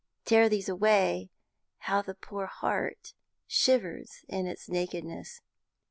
Tear these away, how the poor heart shivers in its nakedness.